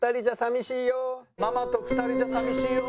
「ママと２人じゃ寂しいよ」。